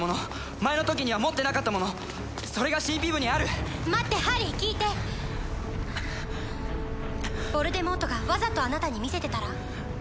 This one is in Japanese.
前の時には持ってなかったものそれが神秘部にある待ってハリー聞いてヴォルデモートがわざとあなたに見せてたら？